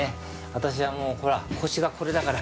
私はもうほら腰がこれだから。